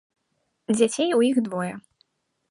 Дзяцей у іх двое.